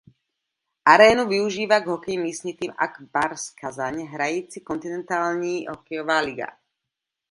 Arénu využívá k hokeji místní tým Ak Bars Kazaň hrající Kontinentální hokejová liga.